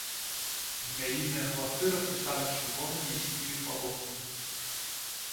Змяіныя хвасты распісаны чырвонымі і сінімі палосамі.